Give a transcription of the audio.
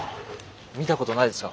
見たことないですか